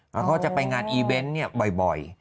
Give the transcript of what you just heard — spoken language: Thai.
แล้วเขาก็จะไปงานอีเวนต์บ่อย